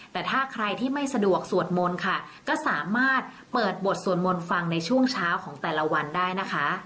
แต่ถ้าใครที่ไม่สะดวกสวดมนต์ค่ะก็สามารถเปิดบทสวดมนต์ฟังในช่วงเช้าของแต่ละวันได้นะคะ